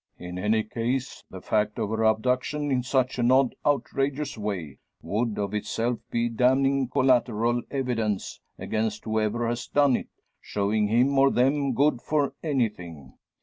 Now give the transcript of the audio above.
In any case, the fact of her abduction, in such an odd outrageous way, would of itself be damning collateral evidence against whoever has done it, showing him or them good for anything.